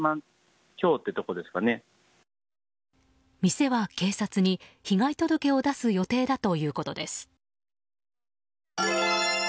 店は、警察に被害届を出す予定だということです。